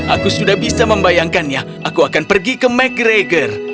aku sudah bisa membayangkannya aku akan pergi ke mcgregor